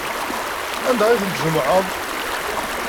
Anda ay tent-tjemɛeḍ?